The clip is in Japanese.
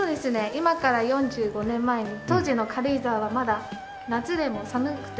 今から４５年前に当時の軽井沢はまだ夏でも寒くて。